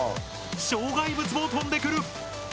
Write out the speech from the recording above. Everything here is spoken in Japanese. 障害物も飛んでくる！